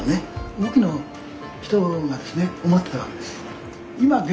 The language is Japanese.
多くの人がですね思ってたわけですよ。